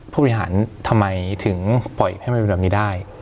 ผู้บริหารทำไมถึงปล่อยให้มันเป็นแบบนี้ได้